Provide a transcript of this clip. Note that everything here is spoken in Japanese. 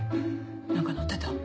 何か載ってた！？